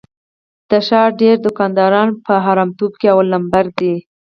د ښار ډېری دوکانداران په حرامتوب کې اول لمبر دي.